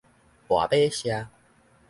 拔馬社